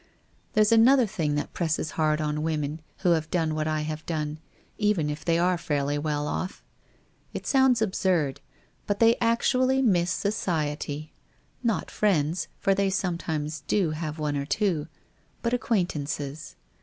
There's another thing that presses hard on women who have done what I have done, even if they are fairly well off. It sounds absurd, but they actually miss society — not friends, for they sometimes do have one or two — but acquaintances.